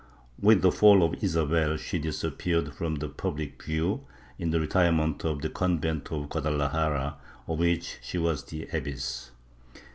With the fall of Isabel she disappeared from public view, in the retire ment of the convent of Guadalajara, of which she was the abbess.